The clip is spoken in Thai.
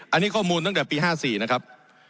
อันนี้ข้อมูลตั้งแต่ปี๕๔นะครับ